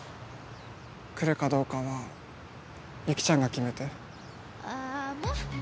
来るかどうかは雪ちゃんが決めて。